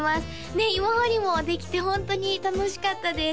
ねっ芋掘りもできてホントに楽しかったです